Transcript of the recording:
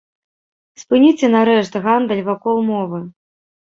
Спыніце нарэшце гандаль вакол мовы.